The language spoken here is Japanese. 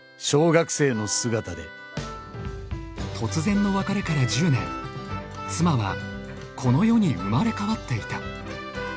小学生の姿で突然の別れから１０年妻はこの世に生まれ変わっていた